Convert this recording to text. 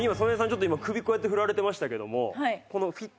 ちょっと首こうやって振られてましたけども。